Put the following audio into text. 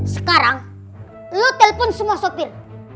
sekarang lo telpon semua sopir